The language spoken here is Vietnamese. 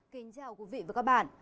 kính chào quý vị và các bạn